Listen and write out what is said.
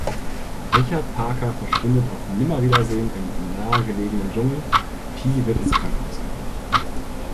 Richard Parker verschwindet auf Nimmerwiedersehen im nahegelegenen Dschungel, Pi wird ins Krankenhaus gebracht.